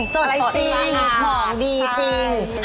สดจริงของดีจริง